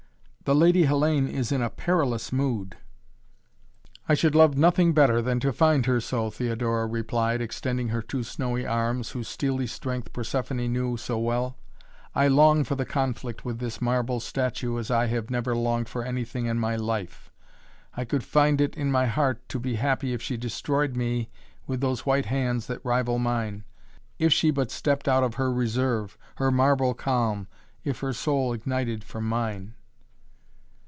"The Lady Hellayne is in a perilous mood " "I should love nothing better than to find her so," Theodora replied, extending her two snowy arms, whose steely strength Persephoné knew so well. "I long for the conflict with this marble statue as I have never longed for anything in my life. I could find it in my heart to be happy if she destroyed me with those white hands that rival mine, if she but stepped out of her reserve, her marble calm, if her soul ignited from mine."